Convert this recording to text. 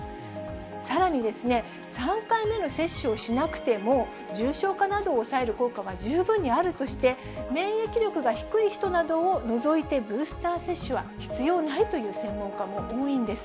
さらに、３回目の接種をしなくても重症化などを抑える効果は十分にあるとして、免疫力が低い人などを除いて、ブースター接種は必要ないという専門家も多いんです。